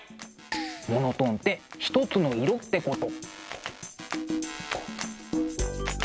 モノトーンってひとつの色ってこと。